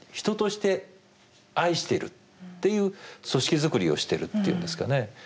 人として愛してるっていう組織作りをしてるっていうんですかね。